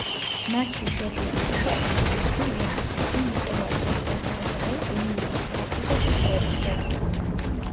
მათში შედიან პიტერ დინკლიჯი, ლენა ჰიდი, ნიკოლაი კოსტერ-ვალდაუ, ემილია კლარკი და კიტ ჰერინგტონი.